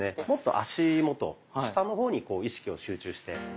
もっと足元下の方に意識を集中して。